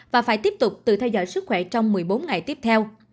và phải tiếp tục tự theo dõi sức khỏe trong một mươi bốn ngày tiếp theo